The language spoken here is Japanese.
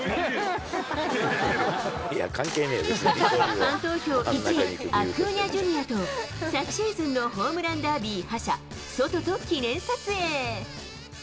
ファン投票１位、アクーニャＪｒ．と、昨シーズンのホームランダービー覇者、ソトと記念撮影。